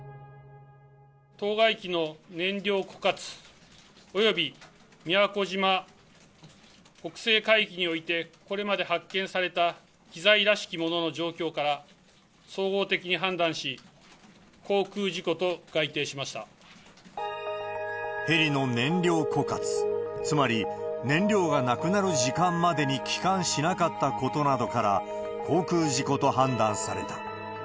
当該機の燃料枯渇、および宮古島北西海域において、これまで発見された機材らしきものの状況から総合的に判断し、ヘリの燃料枯渇、つまり、燃料がなくなる時間までに帰還しなかったことなどから、航空事故と判断された。